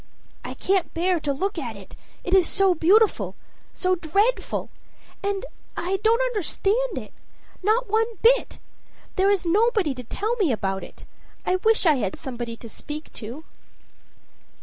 "I can't bear to look at it, it is so beautiful so dreadful. And I don't understand it not one bit. There is nobody to tell me about it. I wish I had somebody to speak to."